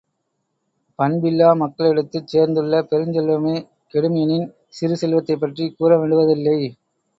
பண்பில்லா மக்களிடத்துச் சேர்ந்துள்ள பெருஞ்செல்வமே கெடும் எனின், சிறு செல்வத்தைப் பற்றிக் கூறவேண்டுவதில்லை.